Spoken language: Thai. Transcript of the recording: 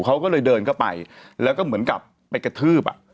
เขาก็เลยเดินเข้าไปแล้วก็เหมือนกับไปกระทืบอ่ะ